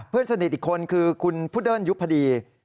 เพื่อนสนิทอีกคนคือคุณพุเดิ้นยุพดี